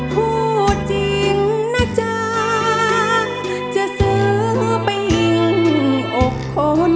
พูดจริงนะจ๊ะจะซื้อไปยิงอกคน